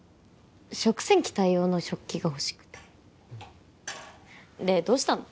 食洗機対応の食器が欲しくてでどうしたの？